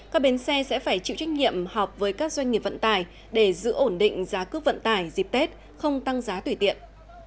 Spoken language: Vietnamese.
các bến xe sẽ phải chịu trách nhiệm họp với các doanh nghiệp vận tải để giữ ổn định giá cước vận tải dịp tết không tăng giá tủy tiện